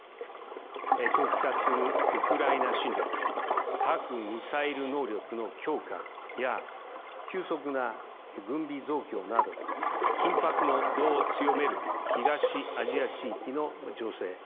長期化するウクライナ侵略核・ミサイル能力の強化や急速な軍備増強など緊迫の度を強める東アジア地域の情勢。